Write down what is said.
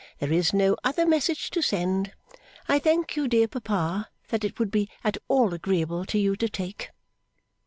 There is no other message to send, I thank you, dear papa, that it would be at all agreeable to you to take.